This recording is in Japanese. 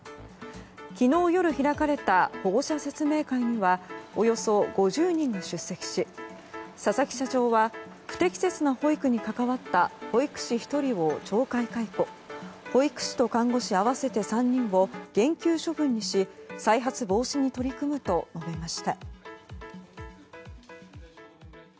昨日夜開かれた保護者説明会にはおよそ５０人が出席し佐々木社長は不適切な保育に関わった保育士１人を懲戒解雇保育士と看護師合わせて３人を減給処分にし再発防止に取り組むと述べました。